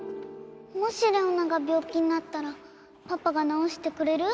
もし玲於奈が病気になったらパパが治してくれる？